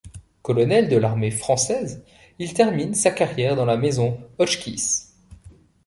Colonel de l'armée française, il termine sa carrière dans la Maison Hotchkiss.